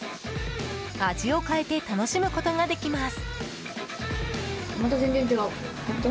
味を変えて楽しむことができます。